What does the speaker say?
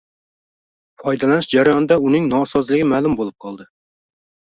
Foydalanish jarayonida uning nosozligi ma’lum bo‘lib qoldi.